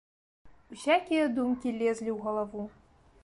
Усякія думкі лезлі ў галаву.